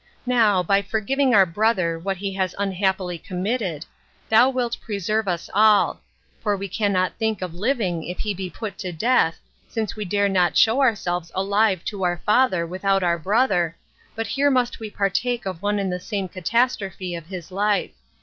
Now, by forgiving our brother what he has unhappily committed, thou wilt preserve us all; for we cannot think of living if he be put to death, since we dare not show ourselves alive to our father without our brother, but here must we partake of one and the same catastrophe of his life.